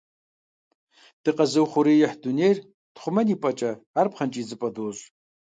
Дыкъэузыухъуреихь дунейр тхъумэным и пӀэкӀэ, ар пхъэнкӀий идзыпӀэ дощӀ.